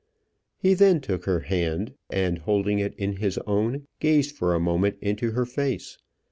He then took her hand, and, holding it in his own, gazed for a moment into her face.